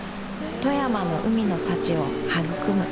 富山の海の幸を育む